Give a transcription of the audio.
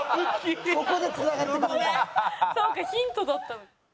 そうかヒントだったの。